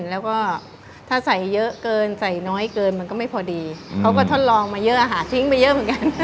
แล้วก็ถ้าใส่เยอะเกินใส่น้อยเกินมันก็ไม่พอดีเขาก็ทดลองมาเยอะหาทิ้งไปเยอะเหมือนกัน